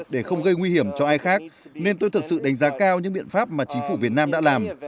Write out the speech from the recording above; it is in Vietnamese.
để không gây nguy hiểm cho ai khác nên tôi thực sự đánh giá cao những biện pháp mà chính phủ việt nam đã làm